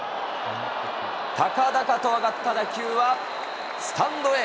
高々と上がった打球はスタンドへ。